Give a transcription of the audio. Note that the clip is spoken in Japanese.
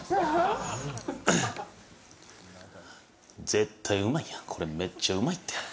絶対、うまいやん、めっちゃうまいって。